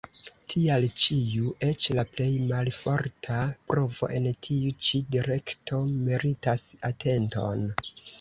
Tial ĉiu eĉ la plej malforta provo en tiu ĉi direkto meritas atenton.